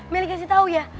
meli kasih tau ya